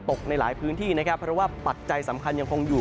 ในหลายพื้นที่นะครับเพราะว่าปัจจัยสำคัญยังคงอยู่